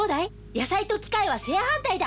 野菜と機械は正反対だ。